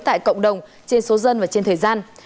tại cộng đồng trên số dân và trên thời gian